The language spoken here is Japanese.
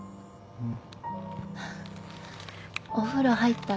うん。